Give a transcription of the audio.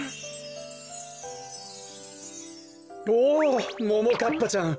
おおももかっぱちゃん。